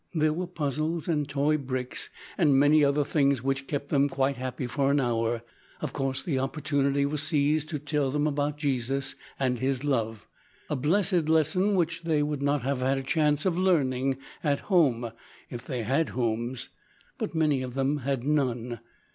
There were puzzles, and toy bricks, and many other things which kept them quite happy for an hour. Of course the opportunity was seized to tell them about Jesus and His love. A blessed lesson which they would not have had a chance of learning at home if they had homes; but many of them had none.